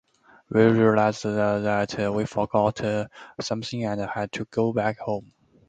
We realized that we forgot something and had to go back home.